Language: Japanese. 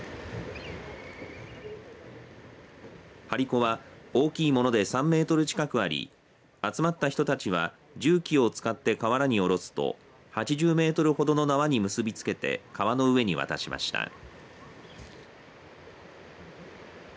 張り子は、大きいもので３メートル近くあり集まった人たちは重機を使って河原に下ろすと８０メートルほどの縄に結びつけて川の上に渡しました。